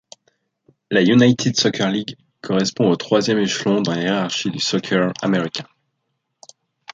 La United Soccer League correspond au troisième échelon dans la hiérarchie du soccer nord-américain.